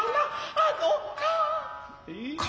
あのか。